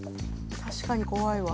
確かに怖いわ。